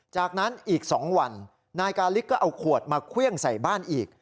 จากนั้นอีก๒วันนายกาลิกก็เอาขวดมาเครื่องใส่บ้านอีก